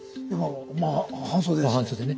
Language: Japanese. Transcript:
まあ半袖ですね。